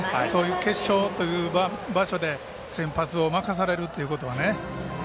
決勝という場所で先発を任されるということはね。